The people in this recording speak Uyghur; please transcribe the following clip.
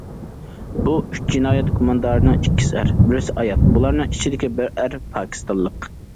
بۇ ئۈچ جىنايەت گۇماندارىنىڭ ئىككىسى ئەر، بىرسى ئايال، بۇلارنىڭ ئىچىدىكى بىر ئەر پاكىستانلىق.